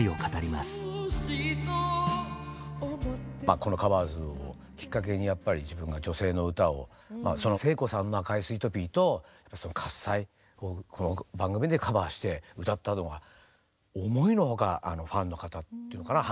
この「カバーズ」をきっかけにやっぱり自分が女性の歌を聖子さんの「赤いスイートピー」と「喝采」をこの番組でカバーして歌ったのが思いのほかファンの方っていうのかな反響もあったんですよね。